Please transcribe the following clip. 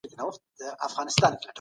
مفسدین باید د خپلو اعمالو ځواب ووایي.